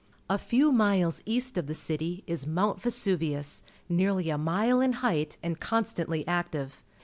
A few miles east of the city is Mount Vesiiriu.'i, nearly a mile in height and con .stantly active.